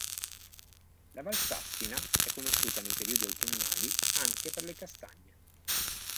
La Valsassina è conosciuta nei periodi autunnali anche per le castagne.